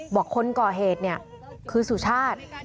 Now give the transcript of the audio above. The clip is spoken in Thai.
บอกคนก่อเหตุเนี่ยคือสุชาติ